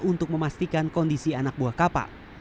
untuk memastikan kondisi anak buah kapal